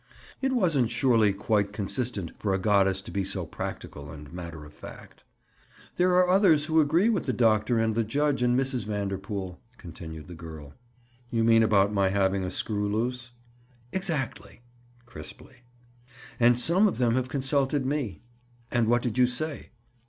It wasn't surely quite consistent for a goddess to be so practical and matter of fact. "There are others who agree with the doctor and the judge and Mrs. Vanderpool," continued the girl. "You mean about my having a screw loose?" "Exactly." Crisply. "And some of them have consulted me." "And what did you say?"